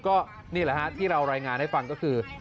ก็นี่แหละฮะที่เรารายงานให้ฟังก็คือ